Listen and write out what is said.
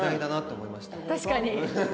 確かに。